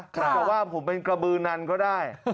แต่ว่าผมเป็นกระบือนันก็ได้